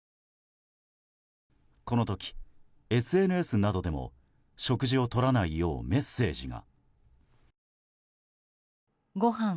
この時、ＳＮＳなどでも食事をとらないようメッセージが。